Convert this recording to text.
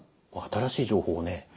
新しい情報をね